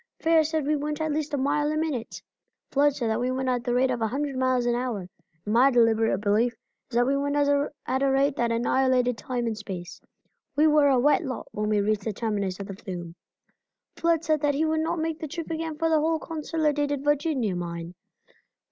Fair said we went at least a mile a minute. Flood said that we went at the rate of a hundred miles an hour, and my deliberate belief is that we went at a rate that annihilated time and space. We were a wet lot when we reached the terminus of the flume. Flood said that he would not make the trip again for the whole Consolidated Virginia mine.